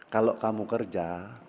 kalau kamu kerja